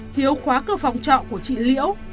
hiếu khóa cửa phòng trọ của chị liễu